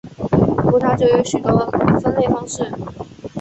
葡萄酒有许多分类方式。